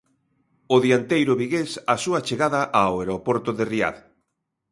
O dianteiro vigués, á súa chegada ao aeroporto de Riad.